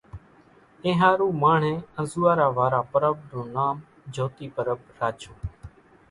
اينۿارُو ماڻۿين انزوئارا وارا پرٻ نون نام جھوتي پرٻ راڇون